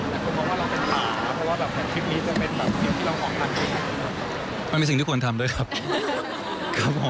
ผมว่าเราเป็นผ่านนะครับเพราะว่าแบบคลิปนี้